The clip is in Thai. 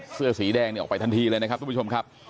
เสื้อสีแดงเนี่ยออกไปทันทีเลยนะครับทุกผู้ชมครับ